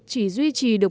chỉ duy trì được